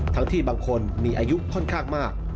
ที่บางคนมีอายุค่อนข้างมาก